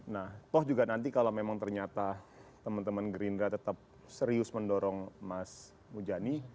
nah toh juga nanti kalau memang ternyata teman teman gerindra tetap serius mendorong mas mujani